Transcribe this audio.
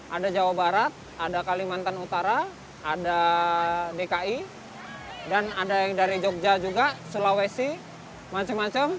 ada jawa barat ada kalimantan utara ada dki dan ada yang dari jogja juga sulawesi macam macam